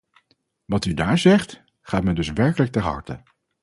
Wat u daar zegt, gaat mij dus werkelijk ter harte.